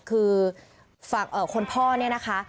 คือคนพ่อเนี่ยนะคะ